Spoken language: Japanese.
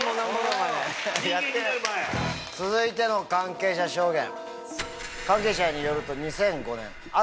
続いての関係者証言。